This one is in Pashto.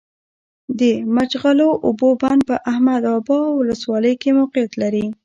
د مچلغو اوبو بند په احمد ابا ولسوالۍ کي موقعیت لری